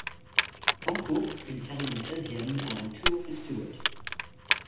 En course, il termine seizième à un tour de Stewart.